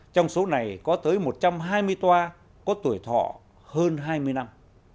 trong số này có tới một trăm hai mươi toa có tuổi thọ hơn hai mươi năm